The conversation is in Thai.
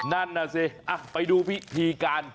นั่นน่ะซิอ่ะไปดูพยีกาล